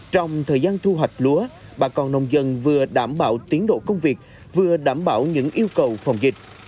trong thời gian thu hoạch lúa bà con nông dân vừa đảm bảo tiến độ công việc vừa đảm bảo những yêu cầu phòng dịch